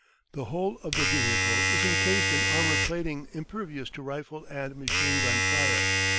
The whole of the vehicle is encased in armour plating impervious to rifle and machine gun fire.